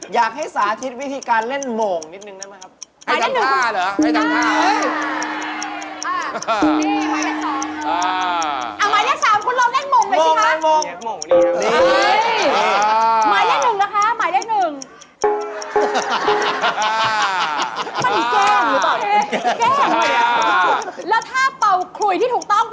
อยากให้สาธิตวิธีการเล่นหม่องนิดหนึ่งนะครับ